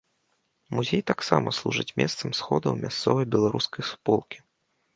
Музей таксама служыць месцам сходаў мясцовай беларускай суполкі.